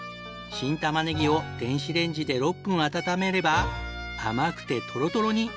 新たまねぎを電子レンジで６分温めれば甘くてトロトロに。